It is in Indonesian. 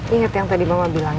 inget yang tadi mama bilang ya